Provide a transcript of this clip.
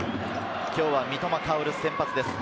今日は三笘薫、先発です。